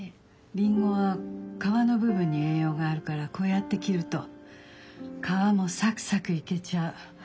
りんごは皮の部分に栄養があるからこうやって切ると皮もさくさくいけちゃう。